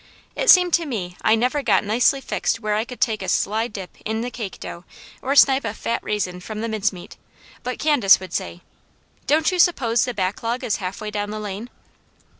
It seemed to me I never got nicely fixed where I could take a sly dip in the cake dough or snipe a fat raisin from the mincemeat but Candace would say: "Don't you suppose the backlog is halfway down the lane?"